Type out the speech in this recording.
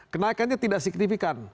kenaikannya tidak signifikan